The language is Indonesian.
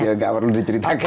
ya gak perlu diceritakan